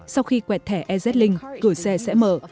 sau khi quẹt thẻ ez ling cửa xe sẽ mở